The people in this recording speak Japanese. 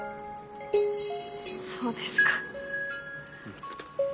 そうですか。